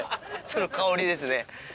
その香りですね。